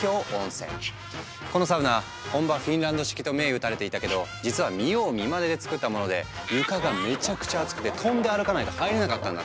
このサウナ本場フィンランド式と銘打たれていたけど実は見よう見まねで作ったもので床がめちゃくちゃアツくて跳んで歩かないと入れなかったんだって。